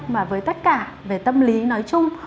mà với tất cả về tâm lý nói chung